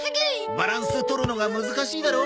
バランスとるのが難しいだろ？